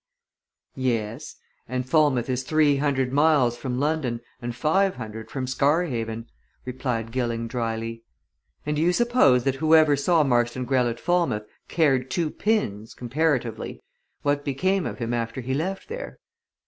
"Yes and Falmouth is three hundred miles from London and five hundred from Scarhaven," replied Gilling dryly. "And do you suppose that whoever saw Marston Greyle at Falmouth cared two pins comparatively what became of him after he left there?